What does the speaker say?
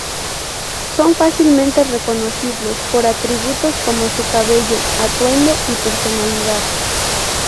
Son fácilmente reconocibles por atributos como su cabello, atuendo y personalidad.